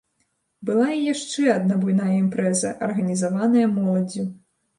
Была і яшчэ адна буйная імпрэза, арганізаваная моладдзю.